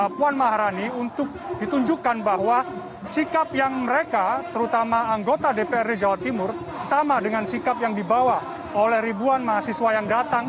puan maharani untuk ditunjukkan bahwa sikap yang mereka terutama anggota dprd jawa timur sama dengan sikap yang dibawa oleh ribuan mahasiswa yang datang